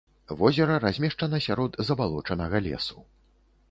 Возера размешчана сярод забалочанага лесу.